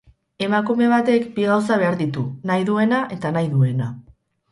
Emakume batek bi gauza behar ditu: nahi duena eta nahi duena.